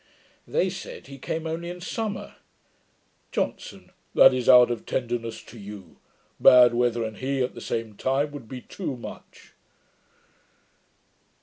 They said, he came only in summer. JOHNSON. 'That is out of tenderness to you. Bad weather and he, at the same time, would be too much.'